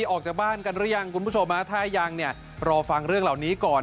ออกจากบ้านกันหรือยังคุณผู้ชมถ้ายังเนี่ยรอฟังเรื่องเหล่านี้ก่อน